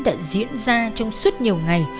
đã diễn ra trong suốt nhiều ngày